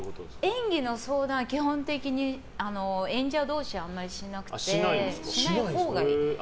演技の相談は基本的に演者同士はあんまりしなくてしないほうがいい。